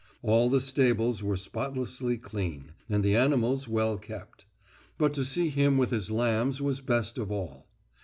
All the stables were spotlessly clean, and the animals well kept. But to see him with his lambs was best of all.